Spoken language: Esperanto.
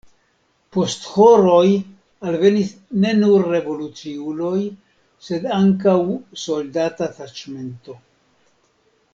Post horoj alvenis ne nur revoluciuloj, sed ankaŭ soldata taĉmento.